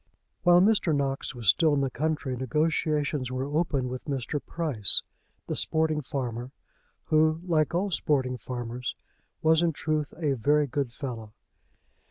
While Mr. Knox was still in the country negotiations were opened with Mr. Price, the sporting farmer, who, like all sporting farmers, was in truth a very good fellow.